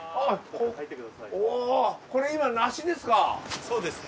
おこれ今梨ですか。